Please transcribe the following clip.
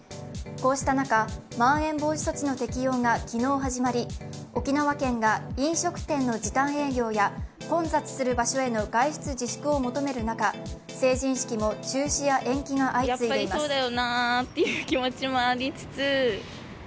こうした中、まん延防止措置の適用が昨日始まり沖縄県が飲食店の時短営業や混雑する場所への外出自粛を求める中、成人式も中止や延期が相次いでいます。